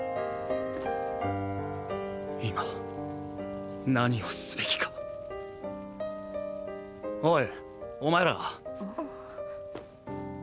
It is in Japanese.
今何をすべきかおいお前ら。